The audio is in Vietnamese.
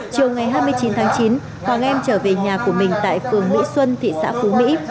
chiều ngày hai mươi chín tháng chín hoàng em trở về nhà của mình tại phường mỹ xuân thị xã phú mỹ